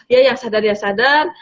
ya yang sadar sadar